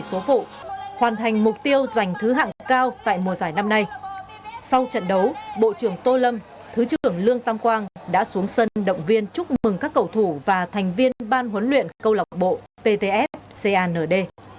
sau trận đấu bộ trưởng tô lâm thứ trưởng lương tam quang đã xuống sân động viên chúc mừng các cầu thủ và thành viên ban huấn luyện câu lọc bộ ptf cand